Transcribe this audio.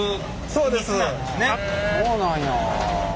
そうなんや。